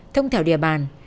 thông thảo địa bàn